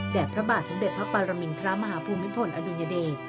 พระบาทสมเด็จพระปรมินทรมาฮภูมิพลอดุญเดช